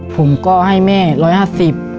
ผมก็ให้แม่ร้อยห้าสิบ